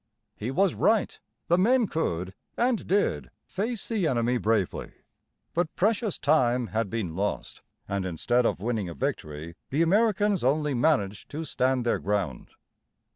He was right; the men could, and did, face the enemy bravely. But precious time had been lost, and instead of winning a victory, the Americans only managed to stand their ground.